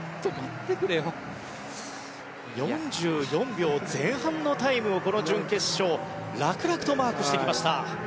４４秒前半のタイムをこの準決勝楽々とマークしてきました。